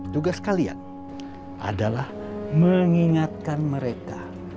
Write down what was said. tugas kalian adalah mengingatkan mereka